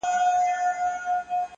ځوان ولاړ سو.